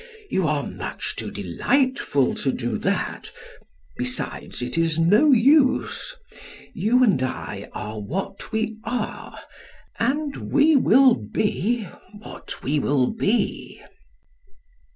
You are much too delightful to do that. Besides, it is no use. You and I are what we are, and we will be what we will be."